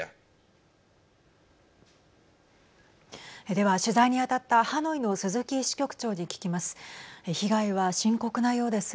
では、取材に当たったハノイの鈴木支局長に聞きます。